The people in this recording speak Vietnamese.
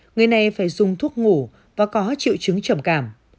người này phải dùng thuốc ngủ và có triệu chứng trầm cảm